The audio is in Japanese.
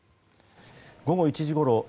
午後１時ごろ